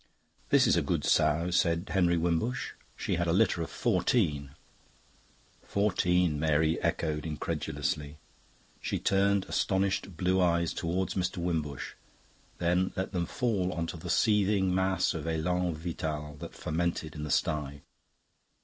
"This is a good sow," said Henry Wimbush. "She had a litter of fourteen. "Fourteen?" Mary echoed incredulously. She turned astonished blue eyes towards Mr. Wimbush, then let them fall onto the seething mass of elan vital that fermented in the sty.